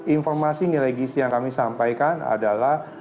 informasi nilai gisi yang kami sampaikan adalah